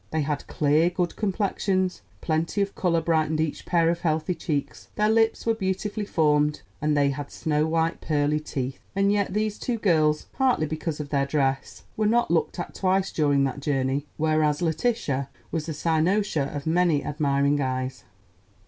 They had clear, good complexions. Plenty of color brightened each pair of healthy cheeks—their lips were beautifully formed and they had snow white pearly teeth. And yet these two girls, partly because of their dress, were not looked at twice during that journey, whereas Letitia was the cynosure of many admiring eyes.